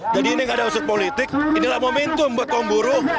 jadi ini tidak ada usus politik inilah momentum buat kaum buruh